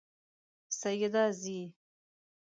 سیده ځئ